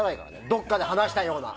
どっかで話したような。